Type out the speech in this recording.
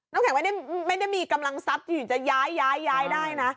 อ๋อน้ำแข็งไม่ได้มีกำลังทรัพย์อยู่จะย้ายได้นะ